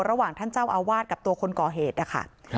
ระหว่างท่านเจ้าอาวาสกับตัวคนก่อเหตุนะคะ